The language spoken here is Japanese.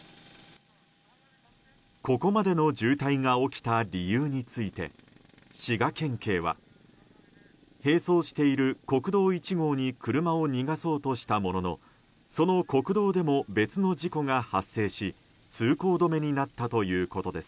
ここまでの渋滞が起きた理由について滋賀県警は並走している国道１号に車を逃がそうとしたもののその国道でも別の事故が発生し通行止めになったということです。